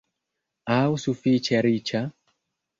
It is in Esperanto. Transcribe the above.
aŭ sufiĉe riĉa?